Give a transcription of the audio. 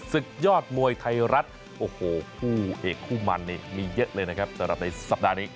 ศึกยอดมวยไทยรัฐโอ้โหคู่เอกคู่มันนี่มีเยอะเลยนะครับสำหรับในสัปดาห์นี้